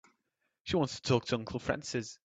She wants to talk to Uncle Francis.